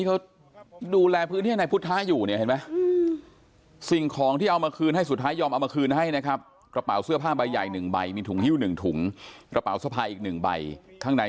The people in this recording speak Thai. โอ้โหหลายต่อเลยเลยเกิน